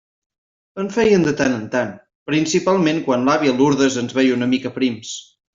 En feien de tant en tant, principalment quan l'àvia Lourdes ens veia una mica prims.